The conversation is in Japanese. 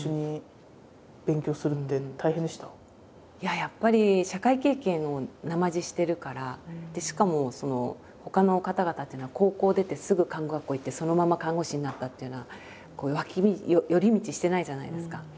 やっぱり社会経験をなまじしてるからしかもほかの方々っていうのは高校を出てすぐ看護学校行ってそのまま看護師になったっていうような寄り道してないじゃないですか。